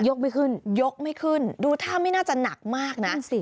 ไม่ขึ้นยกไม่ขึ้นดูท่าไม่น่าจะหนักมากนะ